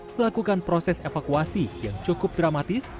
melakukan proses evakuasi yang cukup dramatis